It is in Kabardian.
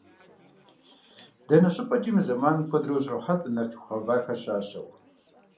Дэнэ щӏыпӏэкӏи мы зэманым куэдрэ ущрохьэлӏэ нартыху гъэвахэр щащэу.